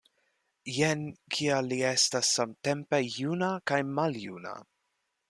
Jen kial li estas samtempe juna kaj maljuna.